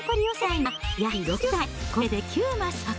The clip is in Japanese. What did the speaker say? これで９マス獲得！